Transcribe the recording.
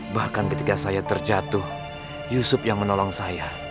bahkan ketika saya terjatuh yusuf yang menolong saya